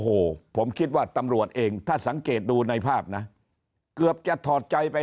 โอ้โหผมคิดว่าตำรวจเองถ้าสังเกตดูในภาพนะเกือบจะถอดใจไป